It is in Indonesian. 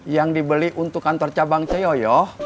yang dibeli untuk kantor cabang ceyo